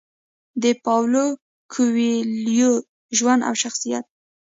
د پاولو کویلیو ژوند او شخصیت: